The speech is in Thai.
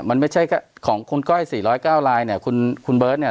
มันไม่ใช่แค่ของคุณก้อยสี่ร้อยเก้าลายเนี้ยคุณคุณเบิร์ตเนี้ย